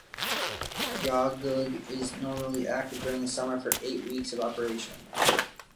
Yawgoog is normally active during the summer for eight weeks of operation.